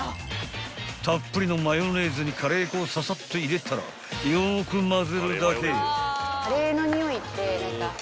［たっぷりのマヨネーズにカレー粉をささっと入れたらよく混ぜるだけ］